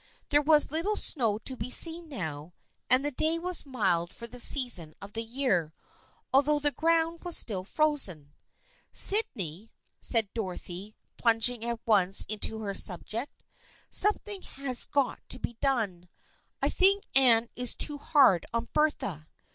There was little snow to be seen now and the day was mild for the season of the year, although the ground was still frozen. " Sydney," said Dorothy, plunging at once into her subject, " something has got to be done. I think Anne is too hard on Bertha.